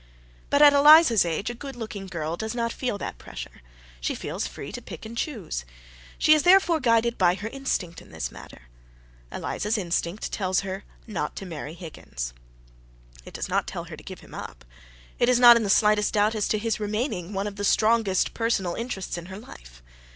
But at Eliza's age a good looking girl does not feel that pressure; she feels free to pick and choose. She is therefore guided by her instinct in the matter. Eliza's instinct tells her not to marry Higgins. It does not tell her to give him up. It is not in the slightest doubt as to his remaining one of the strongest personal interests in her life.